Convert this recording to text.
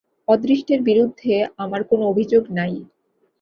অদৃষ্টের বিরুদ্ধে আমার কোন অভিযোগ নাই।